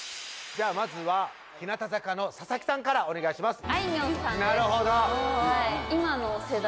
じゃあまずは日向坂の佐々木さんからお願いします